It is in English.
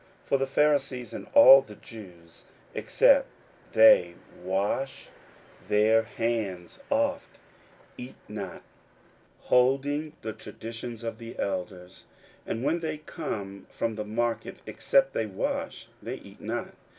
41:007:003 For the Pharisees, and all the Jews, except they wash their hands oft, eat not, holding the tradition of the elders. 41:007:004 And when they come from the market, except they wash, they eat not.